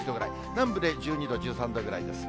南部で１２度、１３度ぐらいです。